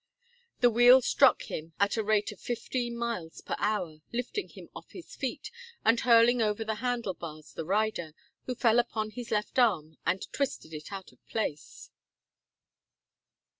The wheel struck him at a rate of fifteen miles per hour, lifting him off his feet, and hurling over the handle bars the rider, who fell upon his left arm, and twisted it out of place.